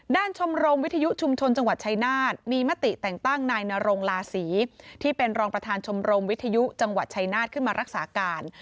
ชมรมวิทยุชุมชนจังหวัดชายนาฏมีมติแต่งตั้งนายนรงลาศรีที่เป็นรองประธานชมรมวิทยุจังหวัดชัยนาธิ์ขึ้นมารักษาการ